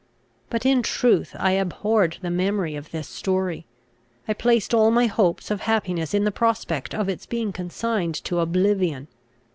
But in truth I abhorred the memory of this story; I placed all my hopes of happiness in the prospect of its being consigned to oblivion.